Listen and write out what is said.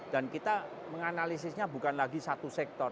dan kita menganalisisnya bukan lagi satu sektor